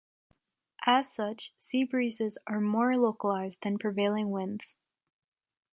As such, sea breezes are more localised than prevailing winds.